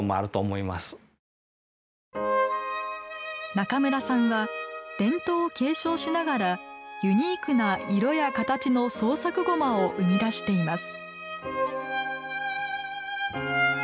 中村さんは伝統を継承しながらユニークな色や形の創作ごまを生み出しています。